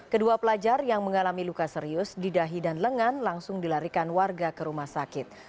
kedua pelajar yang mengalami luka serius di dahi dan lengan langsung dilarikan warga ke rumah sakit